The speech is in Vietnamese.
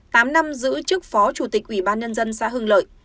tám năm giữ chức phó chủ tịch ủy ban nhân dân xã hưng lợi